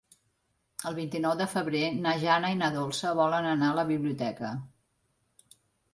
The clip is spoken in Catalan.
El vint-i-nou de febrer na Jana i na Dolça volen anar a la biblioteca.